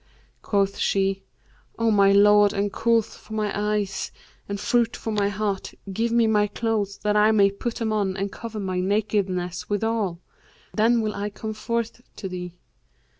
Quoth she, 'O my lord and coolth of my eyes and fruit of my heart, give me my clothes, that I may put them on and cover my nakedness withal; then will I come forth to thee.'